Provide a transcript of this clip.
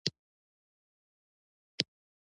مایکروسکوپ بازو فلزي دی.